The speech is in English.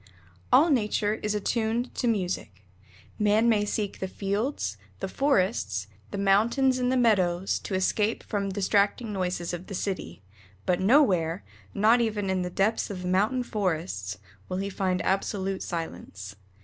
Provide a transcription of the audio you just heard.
All nature is attuned to music. Man may seek the fields, the forests, the mountains, and the meadows, to escape from distracting noises of the city, but nowhere, not even in the depths of mountain forests, will he find absolute silence.